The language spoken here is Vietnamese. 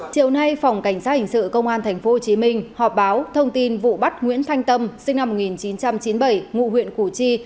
chiều nay phòng cảnh sát hình sự công an tp hcm họp báo thông tin vụ bắt nguyễn thanh tâm sinh năm một nghìn chín trăm chín mươi bảy ngụ huyện củ chi